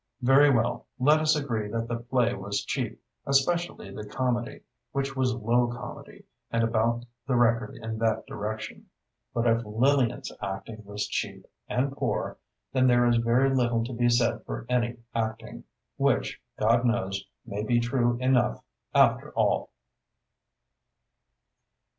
Very well, let us agree that the play was cheap, especially the comedy, which was low comedy and about the record in that direction. But if Lillian's acting was cheap, and poor, then there is very little to be said for any acting, which, God knows, may be true enough, after all!